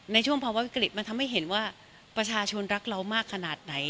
ในช่วงภาวะวิกฤตมันทำให้เห็นว่าประชาชนรักเรามากขนาดไหน